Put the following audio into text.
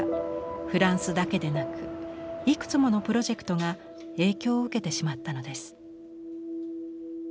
フランスだけでなくいくつものプロジェクトが影響を受けてしまったのです。